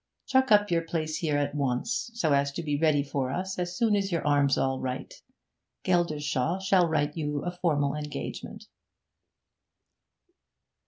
Chuck up your place here at once, so as to be ready for us as soon as your arm's all right. Geldershaw shall write you a formal engagement.'